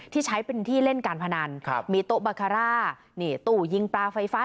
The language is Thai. ที่ใช้เป็นที่เล่นการพนันมีโต๊ะบาคาร่านี่ตู้ยิงปลาไฟฟ้า